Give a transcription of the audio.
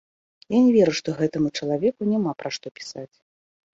Я не веру, што гэтаму чалавеку няма пра што пісаць.